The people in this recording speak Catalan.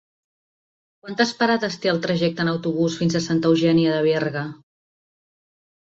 Quantes parades té el trajecte en autobús fins a Santa Eugènia de Berga?